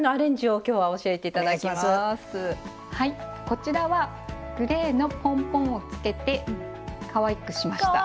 こちらはグレーのポンポンを付けてかわいくしました。